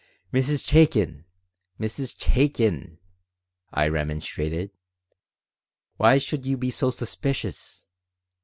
"Mrs. Chaikin! Mrs. Chaikin!" I remonstrated. "Why should you be so suspicious?